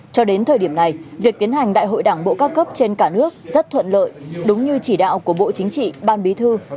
cho đến thời điểm này việc tiến hành đại hội đảng bộ các cấp trên cả nước rất thuận lợi đúng như chỉ đạo của bộ chính trị ban bí thư